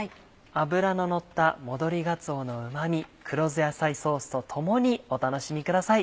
脂ののった戻りがつおのうま味黒酢野菜ソースとともにお楽しみください。